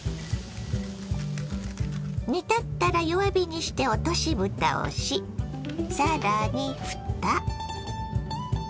煮立ったら弱火にして落としぶたをし更にふた。